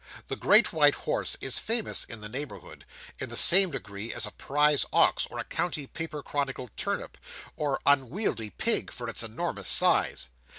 The Great White Horse is famous in the neighbourhood, in the same degree as a prize ox, or a county paper chronicled turnip, or unwieldy pig for its enormous size.